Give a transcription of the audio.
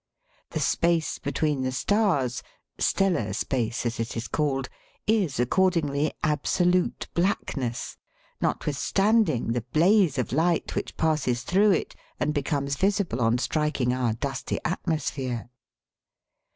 The space between the stars stellar space as it is called is, accordingly, absolute black ness, notwithstanding the blaze of light which passes through it and becomes visible on striking our dusty atmosphere.